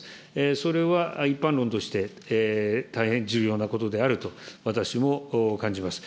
それは一般論として、大変重要なことであると、私も感じます。